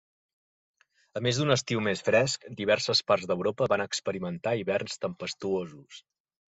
A més d'un estiu més fresc, diverses parts d'Europa van experimentar hiverns tempestuosos.